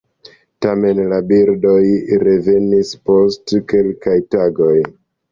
Tamen la birdoj revenis post kelkaj tagoj.